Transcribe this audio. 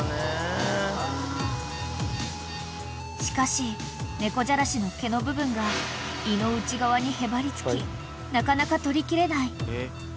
［しかし猫じゃらしの毛の部分が胃の内側にへばりつきなかなか取りきれない］